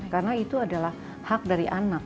karena itu adalah hak dari anak